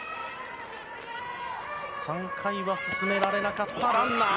３回は進められなかったランナー。